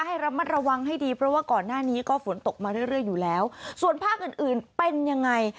ให้ระมัดระวังให้ดีเพราะว่าก่อนหน้านี้ก็ฝนตกมาเรื่อยอยู่แล้วส่วนภาคอื่นอื่นเป็นยังไง